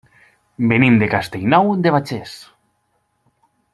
Venim de Castellnou de Bages.